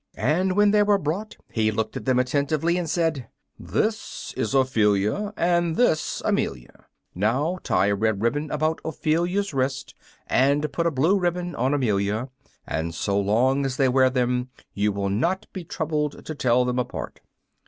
And when they were brought he looked at them attentively and said, "This is Ophelia and this Amelia. Now tie a red ribbon about Ophelia's wrist and put a blue ribbon on Amelia, and so long as they wear them you will not be troubled to tell them apart."